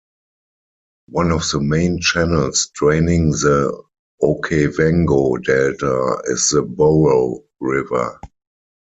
One of the main channels draining the Okavango Delta is the Boro River.